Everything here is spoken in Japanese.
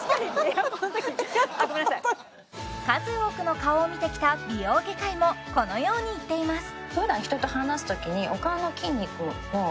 ごめんなさい数多くの顔を見てきた美容外科医もこのように言っています